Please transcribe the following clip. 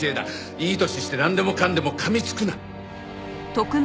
いい年してなんでもかんでも噛みつくな。